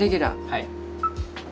はい。